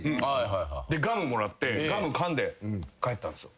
ガムもらってガムかんで帰ったんすよ。